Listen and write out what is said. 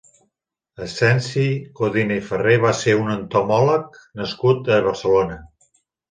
Ascensi Codina i Ferrer va ser un entomòleg nascut a Barcelona.